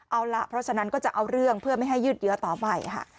เอาล่ะเพราะฉะนั้นก็จะเอาเรื่องเพื่อไม่ให้ยืดเยอะต่อไปค่ะ